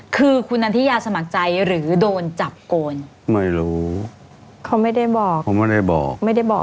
คือคุณนันทิยาสมัครใจหรือโดนจับโกนไม่รู้เขาไม่ได้บอกเขาไม่ได้บอกไม่ได้บอก